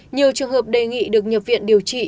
nhiều trường hợp đề nghị được nhập viện điều trị